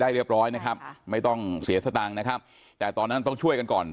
เรียบร้อยนะครับไม่ต้องเสียสตางค์นะครับแต่ตอนนั้นต้องช่วยกันก่อน